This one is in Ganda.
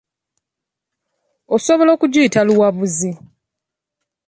Osobola kugiyita luwabuzi.